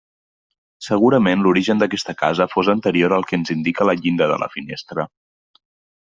Segurament l'origen d'aquesta casa fos anterior al que ens indica la llinda de la finestra.